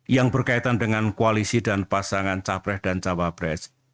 yang berkaitan dengan koalisi dan pasangan capres dan cawapres